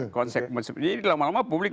konsek jadi lama lama publik